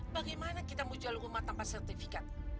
bagaimana kita mau jual rumah tanpa sertifikat